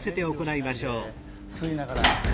吸いながら。